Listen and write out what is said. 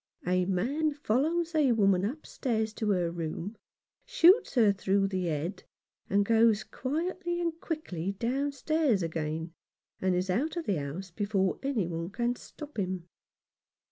A man follows a woman upstairs to her room, shoots her through the head, and goes quietly and quickly downstairs again, and is out of the house before any one can stop him.